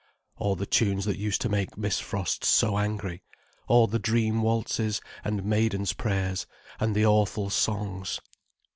All the tunes that used to make Miss Frost so angry. All the Dream Waltzes and Maiden's Prayers, and the awful songs.